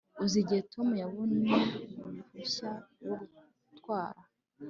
uzi igihe tom yabonye uruhushya rwo gutwara